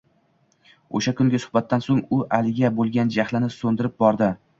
O`sha kungi suhbatdan so`ng u Aliga bo`lgan jahlini so`ndirib bordi